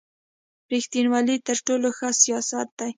رېښتینوالي تر ټولو ښه سیاست دی.